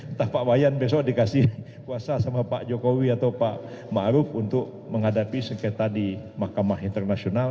entah pak wayan besok dikasih kuasa sama pak jokowi atau pak ⁇ maruf ⁇ untuk menghadapi sengketa di mahkamah internasional